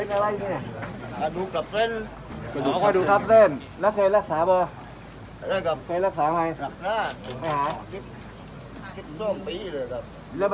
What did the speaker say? ครับอย่าตันอยู่ลูกคุณใช่ไหมครับลูกได้ดูแลพ่อแม่ใช่ไหมครับ